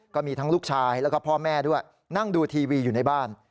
ก็มีทั้งลูกชายแล้วก็พ่อแม่ด้วยนั่งดูทีวีอยู่ในบ้าน